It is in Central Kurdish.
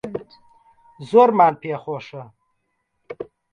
زۆرمان پێخۆشە